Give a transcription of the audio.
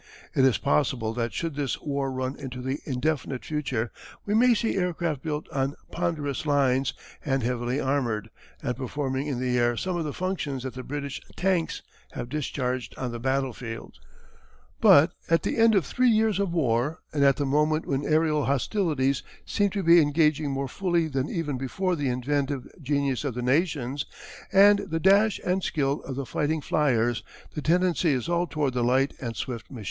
It is possible that should this war run into the indefinite future we may see aircraft built on ponderous lines and heavily armoured, and performing in the air some of the functions that the British "tanks" have discharged on the battlefields. But at the end of three years of war, and at the moment when aërial hostilities seemed to be engaging more fully than even before the inventive genius of the nations, and the dash and skill of the fighting flyers, the tendency is all toward the light and swift machine.